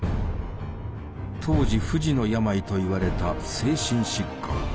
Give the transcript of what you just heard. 当時不治の病といわれた精神疾患。